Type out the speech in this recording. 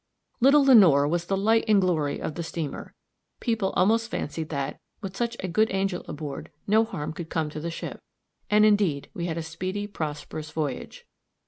Little Lenore was the light and glory of the steamer. People almost fancied that, with such a good angel aboard, no harm could come to the ship. And indeed we had a speedy, prosperous voyage.